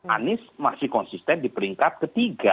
anies masih konsisten di peringkat ke tiga